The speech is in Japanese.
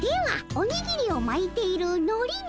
おにぎりをまいているのりね。